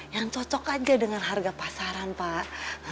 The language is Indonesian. yang cocok aja dengan harga pasaran pak